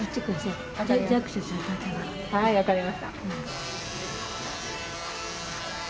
はい分かりました。